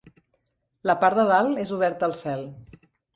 La part de dalt és oberta al cel.